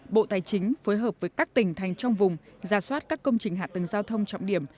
bộ tài chính phối hợp với các tỉnh thành trong vùng giả soát các công trình hạ tầng giao thông trọng điểm